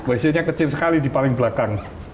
wc nya kecil sekali di paling belakang